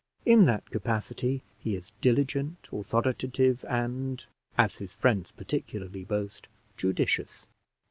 In that capacity he is diligent, authoritative, and, as his friends particularly boast, judicious.